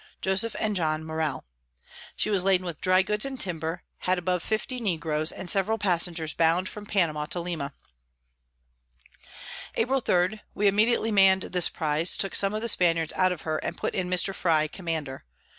_ Joseph and John Morel. She was laden with dry Goods and Timber, had above 50 Negroes, and several Passengers bound from Panama to Lima. April 3. We immediately mann'd this Prize, took some of the Spaniards out of her, and put in Mr. Frye Commander.